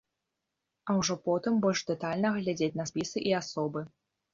А ўжо потым больш дэтальна глядзець на спісы і асобы.